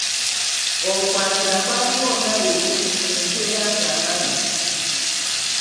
Okwanjula kwaliwo nga leero, enkeera nga mbaga.